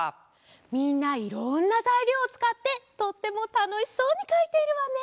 みんないろんなざいりょうをつかってとってもたのしそうにかいているわね。